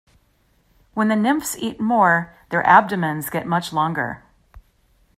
When the nymphs eat more their abdomens get much longer.